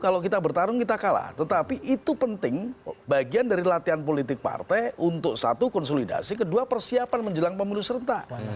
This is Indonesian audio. kalau kita bertarung kita kalah tetapi itu penting bagian dari latihan politik partai untuk satu konsolidasi kedua persiapan menjelang pemilu serentak